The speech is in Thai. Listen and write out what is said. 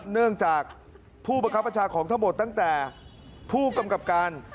เนื่องจากผู้ประคับประชาของทั้งหมดตั้งแต่ผู้กำกับการ